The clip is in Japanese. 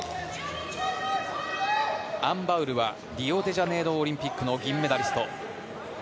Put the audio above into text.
アン・バウルはリオデジャネイロオリンピックの銀メダリスト。